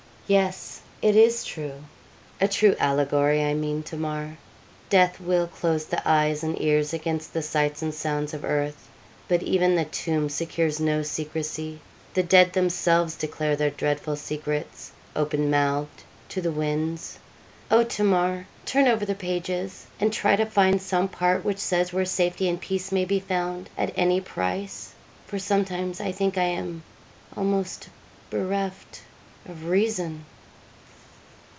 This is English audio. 'Yes, it is true a true allegory, I mean, Tamar. Death will close the eyes and ears against the sights and sounds of earth; but even the tomb secures no secrecy. The dead themselves declare their dreadful secrets, open mouthed, to the winds. Oh, Tamar! turn over the pages, and try to find some part which says where safety and peace may be found at any price; for sometimes I think I am almost bereft of reason.'